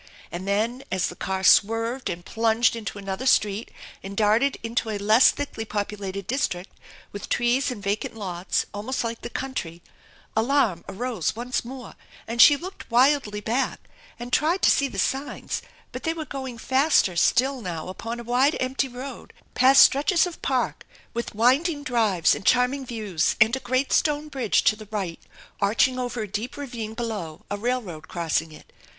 And then as the car swerved aiid plunged into another street and darted into a less thickly populated district, with trees and vacant lots almost like the country, alarm arose once more and she looked wildly back and tried to see the sign* but they were going faster still now upon a wide empty road past stretches of park, with winding drives and charming views, and a great stone bridge to the right, arching over a deep ravine below, a railroad crossing it.